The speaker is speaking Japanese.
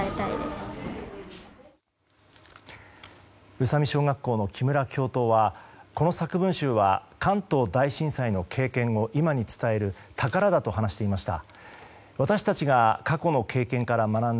宇佐美小学校の木村教頭はこの作文集は関東大震災の経験を今に伝える宝だと話していました。